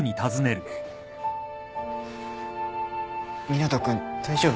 湊斗君大丈夫？